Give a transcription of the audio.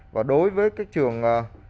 và đối với các trường